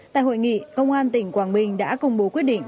tại hội nghị công an tỉnh quảng bình đã công bố quyết định